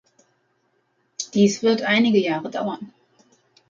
Dies wird einige Jahre dauern.